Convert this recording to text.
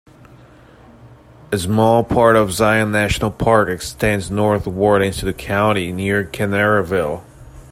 A small part of Zion National Park extends northward into the county, near Kanarraville.